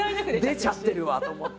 出ちゃってるわと思って。